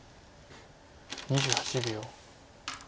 ２８秒。